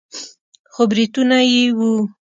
خو برېتونه يې وو.